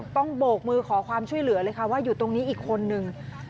โบกมือขอความช่วยเหลือเลยค่ะว่าอยู่ตรงนี้อีกคนนึง